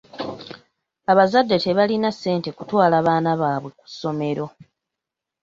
Abazadde tebalina ssente kutwala baana baabwe ku ssomero.